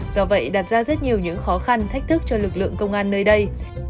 do vậy đặt ra rất nhiều những khó khăn thách thức cho lực lượng công an nơi đây